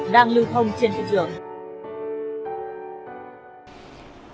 đang lưu thông trên thị trường